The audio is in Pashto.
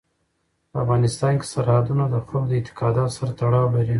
په افغانستان کې سرحدونه د خلکو د اعتقاداتو سره تړاو لري.